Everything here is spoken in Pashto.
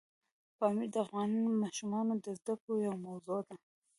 پامیر د افغان ماشومانو د زده کړې یوه موضوع ده.